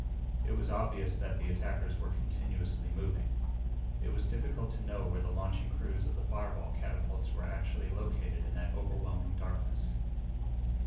It was obvious that the attackers were continuously moving. It was difficult to know where the launching crews of the fireball catapults were actually located in that overwhelming darkness.